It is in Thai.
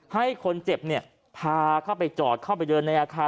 ให้คนเจ็บพาเข้าไปจอดเข้าไปเดินในอาคาร